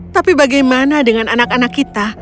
tapi bagaimana dengan anak anak kita